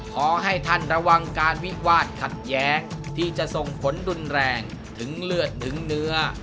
ขอให้ท่านระวังการวิวาดขัดแย้งที่จะส่งผลรุนแรงถึงเลือดถึงเนื้อ